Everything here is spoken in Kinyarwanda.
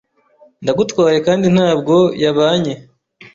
Ndagutwaye kandi ntabwo yabanye.